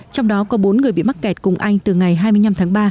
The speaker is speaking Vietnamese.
trong đó có bốn người bị mắc kẹt cùng anh từ ngày hai mươi năm tháng ba